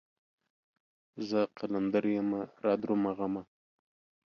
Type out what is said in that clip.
زه قلندر يمه رادرومه غمه